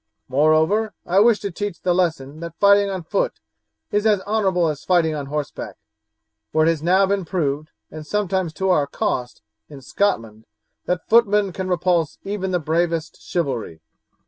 Moreover, I wish to teach the lesson that fighting on foot is as honourable as fighting on horseback, for it has now been proved, and sometimes to our cost, in Scotland, that footmen can repulse even the bravest chivalry.